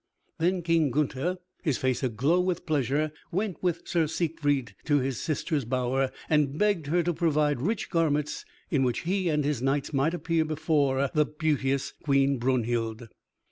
Then King Gunther, his face aglow with pleasure, went with Sir Siegfried to his sister's bower, and begged her to provide rich garments in which he and his knights might appear before the beauteous Queen Brunhild.